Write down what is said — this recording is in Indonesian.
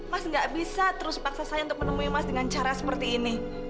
mas gak bisa terus paksa saya untuk menemui mas dengan cara seperti ini